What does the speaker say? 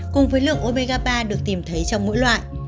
cùng với lượng omega ba được tìm thấy trong mỗi loại